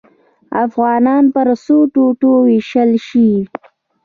افغانستان پر څو ټوټو ووېشل شي.